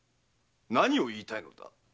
何を言いたいのだ？